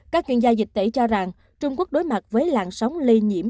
các chuyên gia dịch tễ cho rằng trung quốc đối mặt với làn sóng lây nhiễm